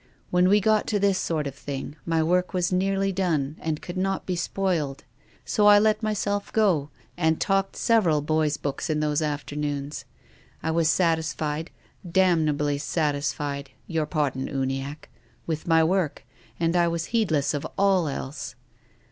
When we got to this sort of thing my work was nearly done and could not be spoiled. So I let myself go, and talked several boys' books in those afternoons. I was satisfied, damnably satisfied — your pardon, Uniacke — with my work, and I was heedless of all else.